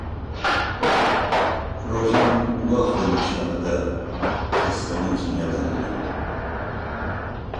ڕۆژان وا خۆی نیشان دەدا کە سەرنجی نەداوم.